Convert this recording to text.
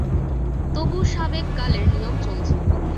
তবু সাবেক কালের নিয়ম চলছে।